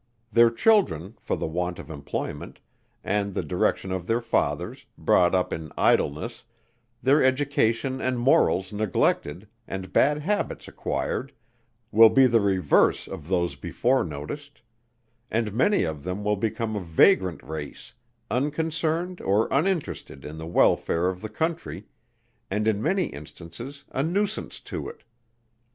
Their children, for the want of employment, and the direction of their fathers, brought up in idleness their education and morals neglected, and bad habits acquired, will be the reverse of those before noticed: and many of them will become a vagrant race, unconcerned or uninterested in the welfare of the country, and in many instances a nuisance to it.